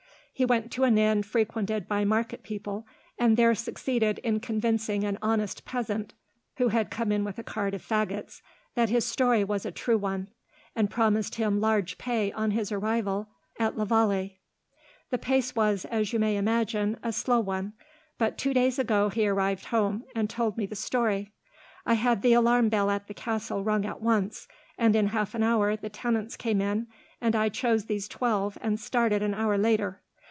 He went to an inn frequented by market people, and there succeeded in convincing an honest peasant, who had come in with a cart of faggots, that his story was a true one, and promised him large pay on his arrival at la Vallee. "The pace was, as you may imagine, a slow one, but two days ago he arrived home, and told me the story. I had the alarm bell at the castle rung at once, and in half an hour the tenants came in, and I chose these twelve, and started an hour later.